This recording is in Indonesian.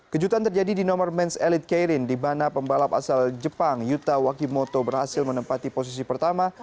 kejutan terjadi di nomor ⁇ ns elite karin di mana pembalap asal jepang yuta wakimoto berhasil menempati posisi pertama